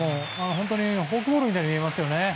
フォークボールみたいに見えますよね。